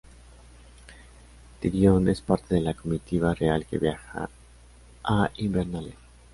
Tyrion es parte de la comitiva real que viaja a Invernalia.